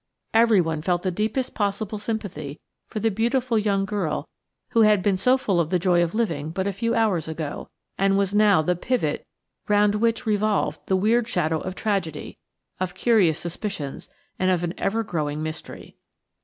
Everyone felt the deepest possible sympathy for the beautiful young girl who had been so full of the joy of living but a few hours ago, and was now the pivot round which revolved the weird shadow of tragedy, of curious suspicions and of an ever growing mystery.